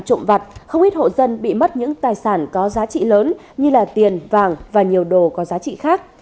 trộm vặt không ít hộ dân bị mất những tài sản có giá trị lớn như tiền vàng và nhiều đồ có giá trị khác